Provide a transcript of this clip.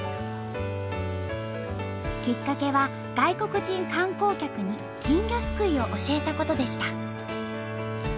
きっかけは外国人観光客に金魚すくいを教えたことでした。